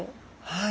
はい。